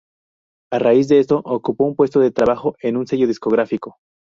A raíz de esto, ocupó un puesto de trabajo en un sello discográfico.